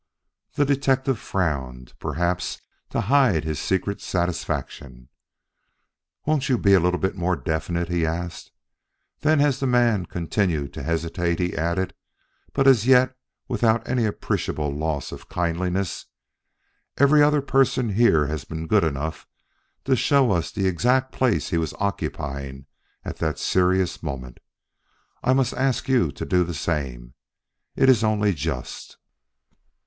The detective frowned, perhaps to hide his secret satisfaction. "Won't you be a little more definite?" he asked; then as the man continued to hesitate he added, but as yet without any appreciable loss of kindliness: "Every other person here has been good enough to show us the exact place he was occupying at that serious moment. I must ask you to do the same; it is only just."